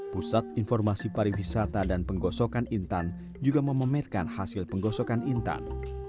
pusat informasi pariwisata dan penggosokan intan juga memamerkan hasil penggosokan intan